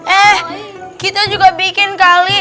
eh kita juga bikin kali